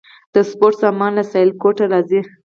د سپورت سامان له سیالکوټ راځي؟